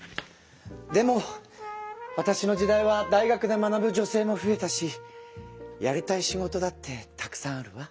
でもわたしの時代は大学で学ぶ女性も増えたしやりたい仕事だってたくさんあるわ。